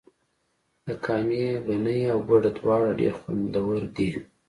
د کامې ګني او ګوړه دواړه ډیر خوندور دي.